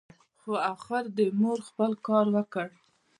خو اخر دي مور خپل کار وکړ !